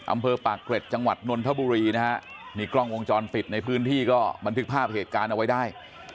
อำเภอปากเกร็ดจังหวัดนนทบุรีนะฮะนี่กล้องวงจรปิดในพื้นที่ก็บันทึกภาพเหตุการณ์เอาไว้ได้